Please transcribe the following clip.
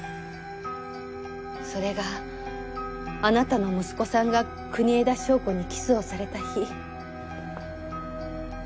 それがあなたの息子さんが国枝祥子にキスをされた日。